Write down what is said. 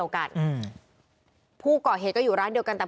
พวกมันต้องกินกันพี่